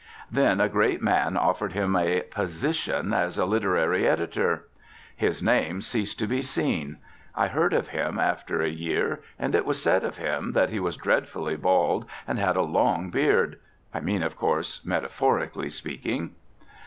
Then a great man offered him a Position as a literary editor. His name ceased to be seen; I heard of him after a year, and it was said of him that he was dreadfully bald and had a long beard, I mean of course metaphorically speaking.